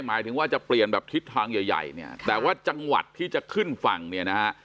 หมายถึงว่าจะเปลี่ยนแบบทิศทางใหญ่ใหญ่เนี่ยแต่ว่าจังหวัดที่จะขึ้นฝั่งเนี่ยนะฮะ